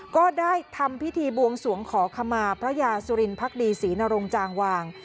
ก็ได้ทำพิธีบวงสวงขอขมาพระยาสุรินพักดีศรีนรงจางวาง